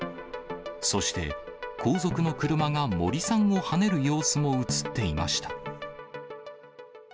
そして、後続の車が森さんをはねる様子も写っていました。